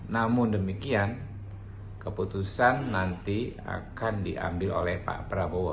namun demikian keputusan nanti akan diambil oleh pak prabowo